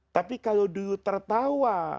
tapi kalau dulu tertawa